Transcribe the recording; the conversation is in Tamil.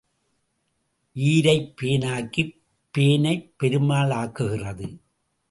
ஈரைப் பேன் ஆக்கிப் பேனைப் பெருமாள் ஆக்குகிறது.